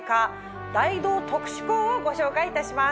大同特殊鋼をご紹介いたします。